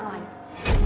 jasad orang lain